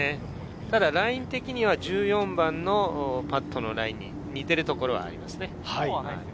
ただ、ライン的には１４番のパットのラインに似てるところはありますね。